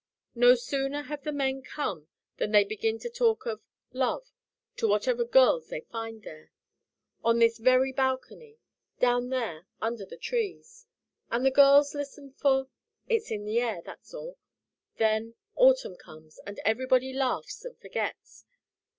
No sooner have the men come than they begin to talk of love to whatever girls they find here on this very balcony down there under the trees. And the girls listen, for it's in the air, that's all. Then autumn comes, and everybody laughs, and forgets.